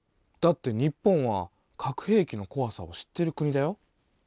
だって日本は核兵器のこわさを知っている国だよ。